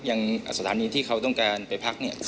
อย่างสถานีที่เขาต้องการไปพักเนี่ย